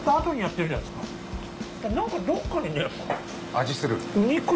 味する？